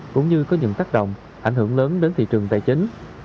cũng như có những tác động ảnh hưởng lớn đến thị trường tài chính